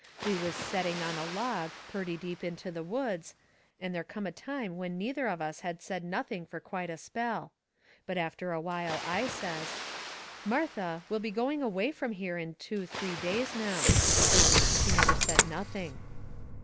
We was setting on a log, purty deep into the woods, and there come a time when neither of us had said nothing fur quite a spell. But after a while I says: "Martha, we'll be going away from here in two, three days now." She never said nothing.